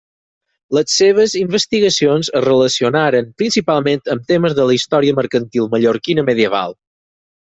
Les seves investigacions es relacionaren, principalment, amb temes de la història mercantil mallorquina medieval.